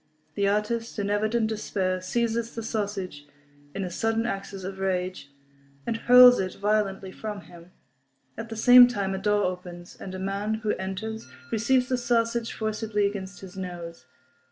The artist, in evident despair, seizes the sausage, in a sudden access of rage, and hurls it violently from him. At the same time a door opens, and a man who enters receives the sausage forcibly against his nose.